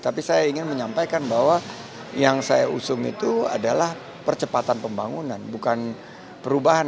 tapi saya ingin menyampaikan bahwa yang saya usung itu adalah percepatan pembangunan bukan perubahan